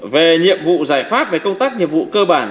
về nhiệm vụ giải pháp về công tác nhiệm vụ cơ bản